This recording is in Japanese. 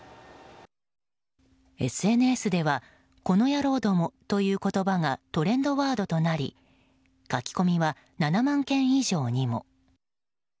ＳＮＳではこの野郎どもという言葉がトレンドワードとなり書き込みは７万件以上にも。